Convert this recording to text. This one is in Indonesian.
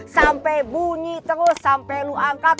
sampai bunyi terus sampai lu angkat